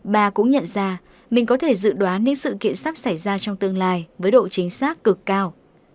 bà cũng nhận ra mình có thể dự đoán những sự kiện sắp xảy ra trong tương lai với độ chính xác cực cao